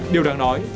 điều đáng nói